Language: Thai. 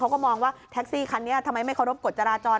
เขาก็มองว่าแท็กซี่คันนี้ทำไมไม่เคารพกฎจราจร